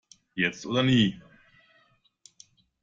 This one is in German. Jetzt oder nie!